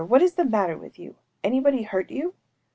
what is the matter with you? Anybody hurt you?